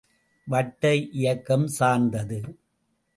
வட்ட இயக்கம் சார்ந்தது.